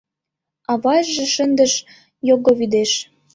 Авайже шындыш йоговӱдеш